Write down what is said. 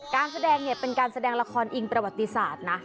การแสดงเนี่ยเป็นการแสดงละครอิงประวัติศาสตร์นะ